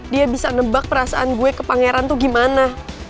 dia bisa nebak perasaan gue ke pangeran tuh gimana